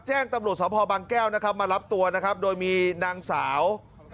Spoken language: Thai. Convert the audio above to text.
แจ้งตำลูกสวพบางแก้วมารับตัวโดยมีนางสาว